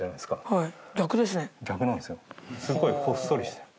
すごいほっそりしてる。